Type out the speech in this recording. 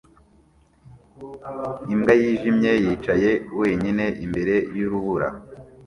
Imbwa yijimye yicaye wenyine imbere yurubura